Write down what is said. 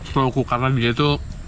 slow cook karena dia itu